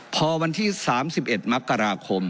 พอวันที่๓๑มกราคม